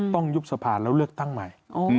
ต้องยุบสะพานแล้วเลือกตั้งใหม่